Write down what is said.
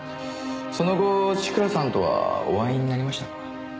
その後千倉さんとはお会いになりました？